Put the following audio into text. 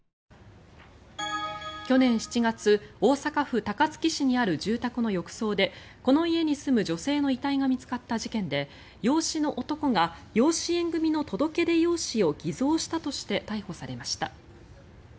去年７月大阪府高槻市にある住宅の浴槽でこの家に住む女性の遺体が見つかった事件で養子の男が養子縁組の届け出用紙を偽造したとして逮捕されました。